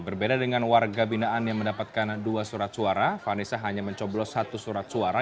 berbeda dengan warga binaan yang mendapatkan dua surat suara vanessa hanya mencoblos satu surat suara